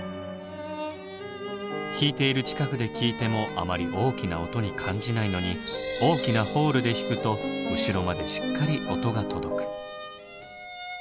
弾いている近くで聞いてもあまり大きな音に感じないのに大きなホールで弾くと後ろまでしっかり音が届く。